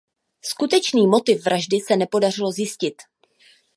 Skutečný motiv vraždy se nepodařilo zjistit.